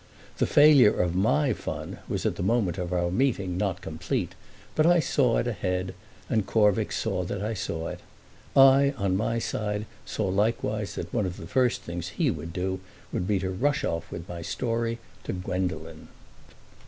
The failure of my fun was at the moment of our meeting not complete, but I saw it ahead, and Corvick saw that I saw it. I, on my side, saw likewise that one of the first things he would do would be to rush off with my story to Gwendolen.